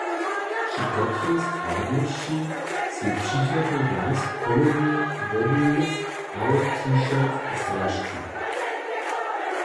Při kotrej składnosći sej přichodny raz cholowy wobuju abo t-shirt zdrasću?